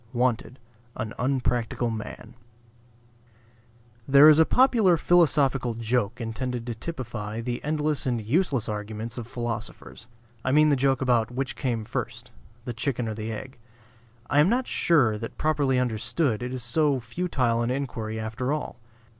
WANTED, AN UNPRACTICAL MAN There is a popular philosophical joke intended to typify the endless and useless arguments of philosophers; I mean the joke about which came first, the chicken or the egg? I am not sure that properly understood, it is so futile an inquiry after all.